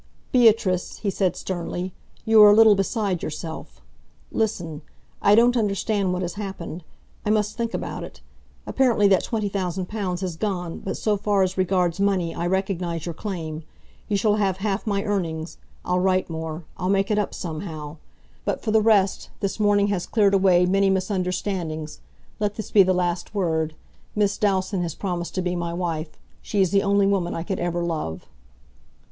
"Beatrice," he said sternly, "you are a little beside yourself. Listen. I don't understand what has happened. I must think about it. Apparently that twenty thousand pounds has gone, but so far as regards money I recognise your claim. You shall have half my earnings. I'll write more. I'll make it up somehow. But for the rest, this morning has cleared away many misunderstandings. Let this be the last word. Miss Dalstan has promised to be my wife. She is the only woman I could ever love."